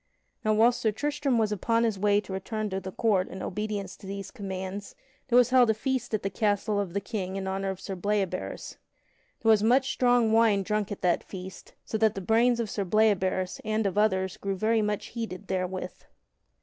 Now whilst Sir Tristram was upon his way to return to the court in obedience to these commands, there was held a feast at the castle of the King in honor of Sir Bleoberis. There was much strong wine drunk at that feast, so that the brains of Sir Bleoberis and of others grew very much heated therewith.